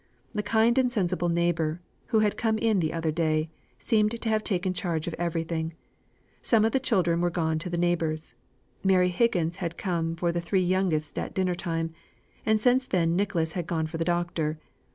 The kind and sensible neighbour, who had come in the other day, seemed to have taken charge of everything. Some of the children were gone to the neighbours. Mary Higgins had come for the three youngest at dinner time; and since then Nicholas had gone for the doctor.